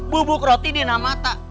bubuk roti di nama tak